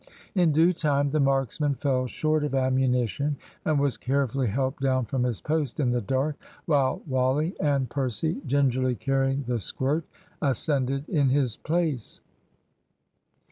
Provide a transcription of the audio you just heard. In due time the marksman fell short of ammunition and was carefully helped down from his post in the dark, while Wally and Percy, gingerly carrying the squirt, ascended in his place.